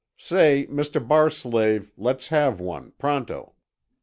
Say, Mr. Bar slave let's have one pronto."